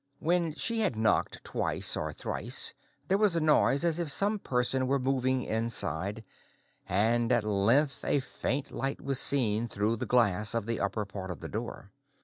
When she had knocked twice or thrice there was a noise as if some person were moving inside, and at length a faint light was seen through the glass of the upper part of the door.